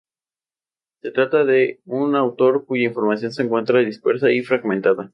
Se trata de un autor cuya Información se encuentra dispersa y fragmentada.